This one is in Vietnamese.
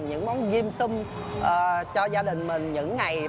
những món dim sum cho gia đình mình những ngày nghỉ lễ